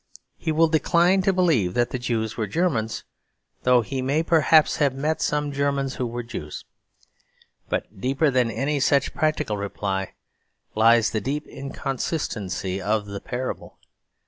He will decline to believe that the Jews were Germans; though he may perhaps have met some Germans who were Jews. But deeper than any such practical reply, lies the deep inconsistency of the parable.